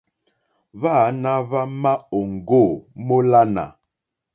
Hwáāná hwá má òŋɡô mólánà.